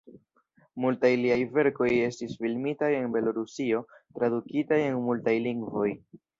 Multaj liaj verkoj estis filmitaj en Belorusio, tradukitaj en multaj lingvoj.